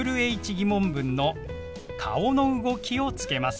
−疑問文の顔の動きをつけます。